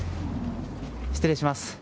失礼します。